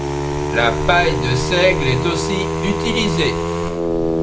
La paille de seigle est aussi utilisé.